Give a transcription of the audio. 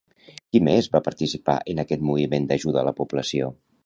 Qui més va participar en aquest moviment d'ajuda a la població?